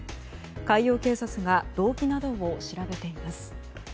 海洋警察が動機などを調べています。